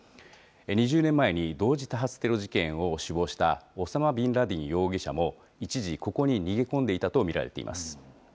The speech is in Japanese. ２０年前に同時多発テロ事件を首謀したオサマ・ビンラディン容疑者も一時、ここに逃げ込んでいたと見られています。